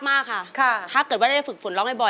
สวัสดีครับ